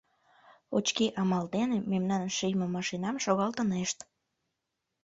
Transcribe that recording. Очки амал дене мемнан шийме машинам шогалтынешт.